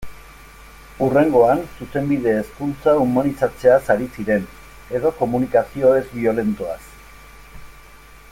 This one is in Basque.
Hurrengoan, Zuzenbide-hezkuntza humanizatzeaz ari ziren, edo komunikazio ez-biolentoaz...